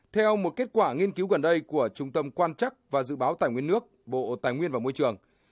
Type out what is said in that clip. theo một kết quả nghiên cứu gần đây của trung tâm quan chắc và dự báo tài nguyên nước bộ tài nguyên và môi trường